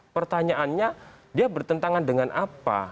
pertanyaannya dia bertentangan dengan apa